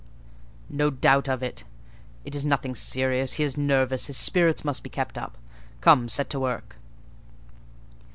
"No doubt of it; it is nothing serious; he is nervous, his spirits must be kept up. Come, set to work."